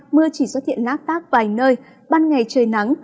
mưa chỉ xuất hiện lát tác vài nơi ban ngày trời nắng